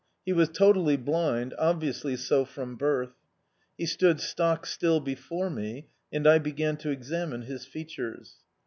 He was totally blind, obviously so from birth. He stood stock still before me, and I began to examine his features.